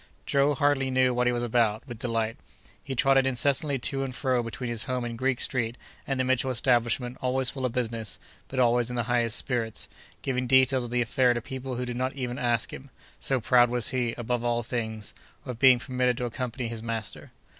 Joe hardly knew what he was about, with delight. He trotted incessantly to and fro between his home in Greek Street, and the Mitchell establishment, always full of business, but always in the highest spirits, giving details of the affair to people who did not even ask him, so proud was he, above all things, of being permitted to accompany his master.